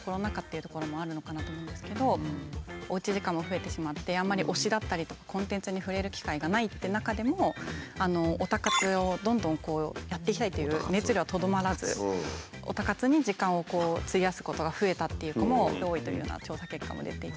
おうち時間も増えてしまってあんまり推しだったりとかコンテンツに触れる機会がないって中でもオタ活をどんどんこうやっていきたいっていう熱量はとどまらずオタ活に時間を費やすことが増えたっていう子も多いというような調査結果も出て。